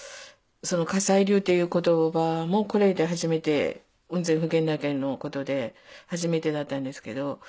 「火砕流」っていう言葉もこれで初めて雲仙普賢岳のことで初めてだったんですけど。